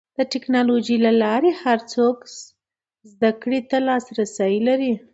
د ټکنالوجۍ له لارې هر څوک زدهکړې ته لاسرسی لري.